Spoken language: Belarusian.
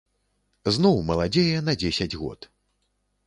Зноў маладзее на дзесяць год.